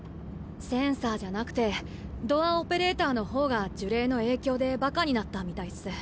センサーじゃなくてドアオペレーターの方が呪霊の影響でバカになったみたいっす。